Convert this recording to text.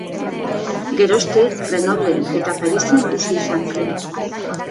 Geroztik, Grenoblen eta Parisen bizi izan zen.